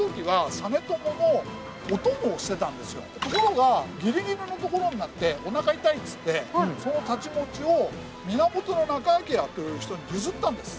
ところがギリギリのところになっておなか痛いっつってその太刀持ちを源仲章という人に譲ったんです。